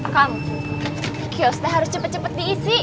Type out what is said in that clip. kamu harus cepat cepat menyemhol